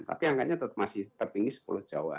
tapi angkanya masih tertinggi sepuluh jawa